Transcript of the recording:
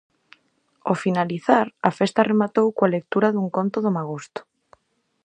Ao finalizar, a festa rematou coa lectura dun conto do magosto.